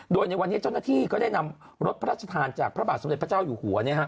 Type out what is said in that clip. โดยในวันนี้เจ้าหน้าที่ก็ได้นำรถพระราชทานจากพระบาทสมเด็จพระเจ้าอยู่หัว